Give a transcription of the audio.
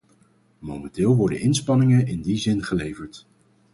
Momenteel worden inspanningen in die zin geleverd.